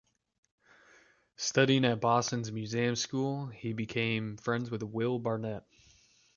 Studying at Boston's Museum School, he became friends with Will Barnet.